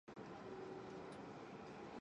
Its capital is Anuradhapura.